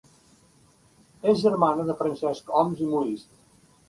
És germana de Francesc Homs i Molist.